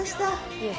いえ